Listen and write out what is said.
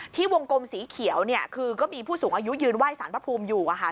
วงกลมสีเขียวคือก็มีผู้สูงอายุยืนไหว้สารพระภูมิอยู่